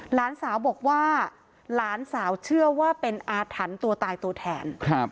หลานสาวบอกว่าหลานสาวเชื่อว่าเป็นอาถรรพ์ตัวตายตัวแทน